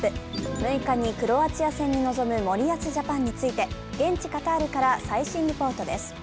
６日にクロアチア戦に臨む森保ジャパンについて現地カタールから最新リポートです。